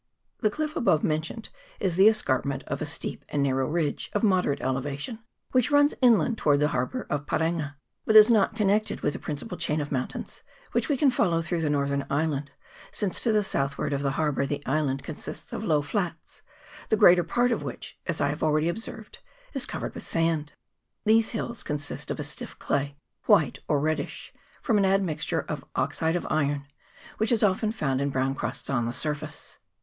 The cliff above mentioned is the escarpment of a steep and narrow ridge, of moderate elevation, which runs inland towards the harbour of Parenga, but is not connected with the principal chain of mountains, which we can follow through the northern island, since to the southward of the harbour the island consists of low flats, the greater part of which, as I have already observed, is covered with sand. These hills consist of a stiff clay, white or reddish, from an admixture of oxide of iron, which is often found in brown crusts on the surface.